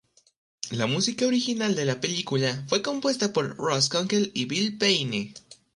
La música original de la película fue compuesta por Russ Kunkel y Bill Payne.